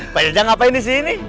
pak jajang ngapain disini